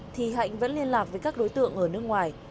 thì hạnh vẫn liên lạc với các đối tượng ở nước ngoài